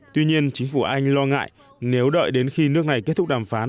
tuy nhiên chính phủ anh lo ngại nếu đợi đến khi nước này kết thúc đàm phán